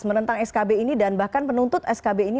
menentang skb ini dan bahkan penuntut skb ini